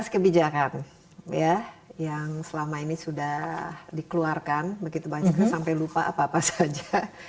tiga belas kebijakan yang selama ini sudah dikeluarkan begitu banyak kita sampai lupa apa apa saja